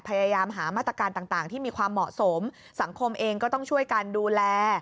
พยายามหามาตรการต่างที่มีความเหมาะสมสังคมเองก็ต้องช่วยกันดูแล